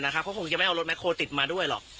เขาคงจะไม่เอารถแคลติดมาด้วยหรอก